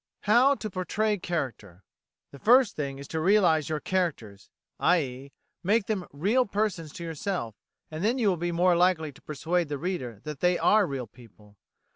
How to Portray Character The first thing is to realise your characters i.e. make them real persons to yourself, and then you will be more likely to persuade the reader that they are real people.